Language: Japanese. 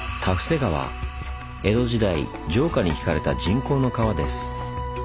江戸時代城下にひかれた人工の川です。